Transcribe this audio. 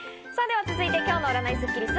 続いて今日の占いスッキりす。